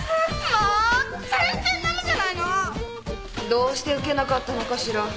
どうしてウケなかったのかしら。